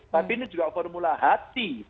tapi ini juga formula hati